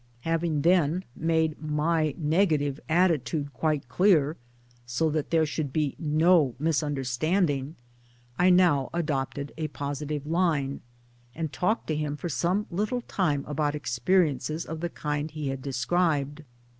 Having then made my negative attitude quite clear, so that there should be no misunderstanding, I now adopted a positive line ; and talked to him for some little time about experiences of the kind he had described.